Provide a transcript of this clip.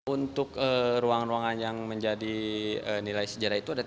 untuk ruangan ruangan yang menjadi nilai sejarah itu ada